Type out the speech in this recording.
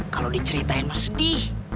kalau diceritain mah sedih